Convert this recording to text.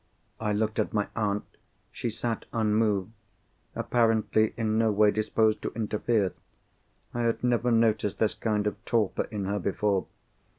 I looked at my aunt. She sat unmoved; apparently in no way disposed to interfere. I had never noticed this kind of torpor in her before.